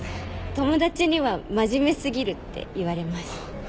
友達には真面目過ぎるって言われます。